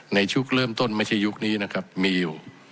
ในช่วงเริ่มต้นไม่ใช่ยุคนี้นะครับมีอยู่